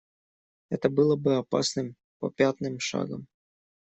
Это было бы опасным попятным шагом.